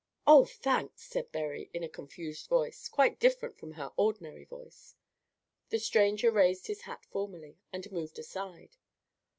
"Oh, thanks!" said Berry, in a confused voice, quite different from her ordinary voice. The stranger raised his hat formally, and moved aside.